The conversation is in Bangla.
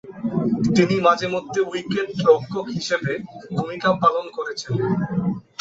তিনি মাঝে মধ্যে উইকেটরক্ষক হিসেবে ভূমিকা পালন করেছেন।